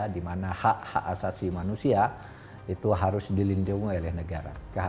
di mana hak hak asasi manusia itu harus dilindungi oleh negara